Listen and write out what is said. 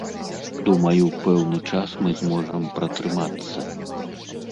Думаю, пэўны час мы зможам пратрымацца.